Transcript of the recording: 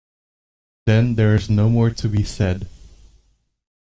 Then there is no more to be said.